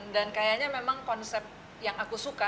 dan kayaknya memang konsep yang aku suka